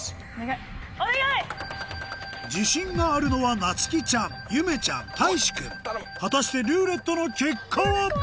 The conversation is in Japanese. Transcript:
自信があるのはなつきちゃんゆめちゃんたいし君果たして「ルーレット」の結果は？